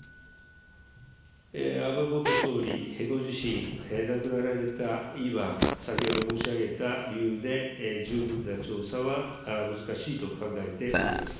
安倍元総理ご自身、亡くなられた今、先ほど申し上げた理由で、十分な調査は難しいと考えております。